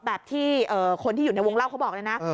แบบที่คนที่อยู่ในวงเล่าเขาบอกเลยนะ